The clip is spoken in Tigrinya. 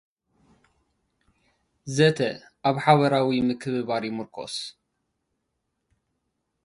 ዘተ፡ ኣብ ሓበራዊ ምክብባር ይምርኮስ።